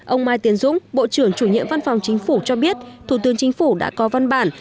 ông mai tiến dũng bộ trưởng chủ nhiệm văn phòng chính phủ cho biết thủ tướng chính phủ đã có văn bản